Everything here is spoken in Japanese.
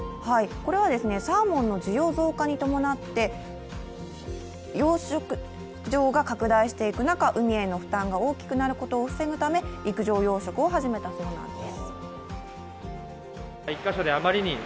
これはサーモンの需要増加に伴って養殖場が拡大していく中、海への負担が大きくなるため陸上養殖を始めたそうなんです。